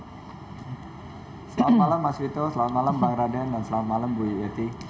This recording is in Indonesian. selamat malam mas vito selamat malam bang raden dan selamat malam bu yukti